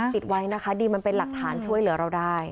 ติดไว้นะคะดีมันเป็นหลักฐานช่วยเหลือเราได้